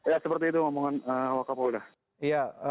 ya seperti itu omongan wakafo udah